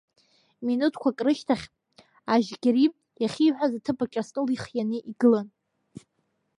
Минуҭқәак рышьҭахь Ажьгьери иахьиҳәаз аҭыԥ аҿы астол хианы игылан.